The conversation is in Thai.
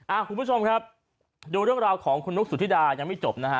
คุณผู้ชมครับดูเรื่องราวของคุณนุ๊กสุธิดายังไม่จบนะฮะ